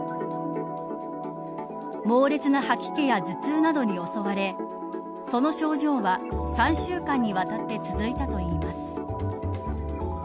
猛烈な吐き気や頭痛などに襲われその症状は３週間にわたって続いたといいます。